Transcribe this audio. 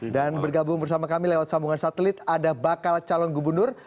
dan bergabung bersama kami lewat sambungan satelit ada bakal calon gubernur